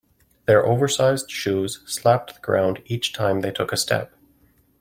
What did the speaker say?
Their oversized shoes slapped the ground each time they took a step.